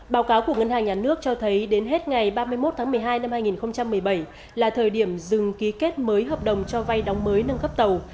báo cáo của ngân hàng nhà nước cho thấy đến hết ngày ba mươi một tháng một mươi hai năm hai nghìn một mươi bảy là thời điểm dừng ký kết mới hợp đồng cho vay đóng mới nâng cấp tàu